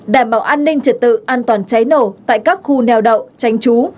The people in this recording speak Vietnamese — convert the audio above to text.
đảm bảo an ninh trật tự an toàn cháy nổ tại các khu neo đậu tránh trú